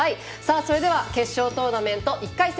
それでは決勝トーナメント１回戦